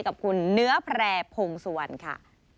กับคุณเนื้อแพร่พงสุวรรณค่ะ